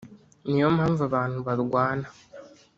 Ni yo mpamvu abantu barwana